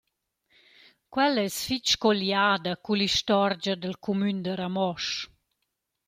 Quella es fich colliada cull’istorgia dal cumün da Ramosch.